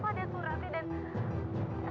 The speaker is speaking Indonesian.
ada suratnya dan